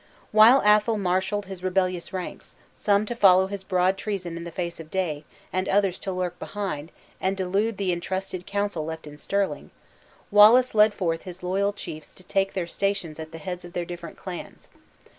While Athol marshaled his rebellious ranks, some to follow his broad treason in the face of day, and others to lurk behind, and delude the intrusted council left in Stirling; Wallace led forth his loyal chiefs to take their stations at the heads of their different clans.